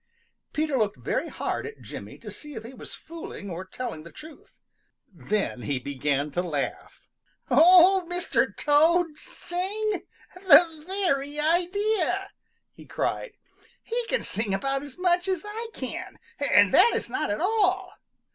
Peter looked very hard at Jimmy to see if he was fooling or telling the truth. Then he began to laugh. "Old Mr. Toad sing! The very idea!" he cried. "He can sing about as much as I can, and that is not at all."